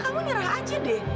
kamu nyerah aja deh